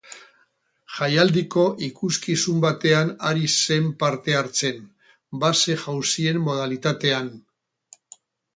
Jaialdiko ikuskizun batean ari zen parte hartzen, base-jauzien modalitatean.